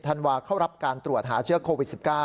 ธันวาเข้ารับการตรวจหาเชื้อโควิด๑๙